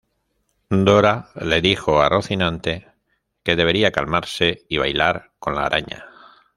Dora le dijo a Rocinante que debería calmarse y bailar con la araña.